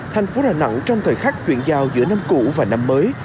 thành phố đà nẵng trong thời khắc chuyển giao giữa năm cũ và năm mới